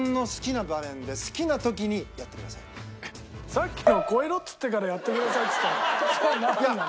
さっきの「超えろ」っつってからやってくださいっつったのそれなんなの？